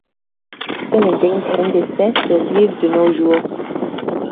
Seules une vingtaine d'espèces survivent de nos jours.